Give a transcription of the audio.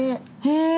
へえ。